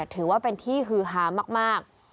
ถือว่าเป็นที่ฮือฮามาก